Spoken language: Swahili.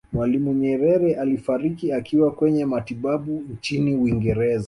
mwalimu nyerere alifariki akiwa kwenye matibabu nchini uingereza